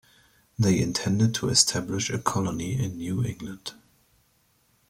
They intended to establish a colony in New England.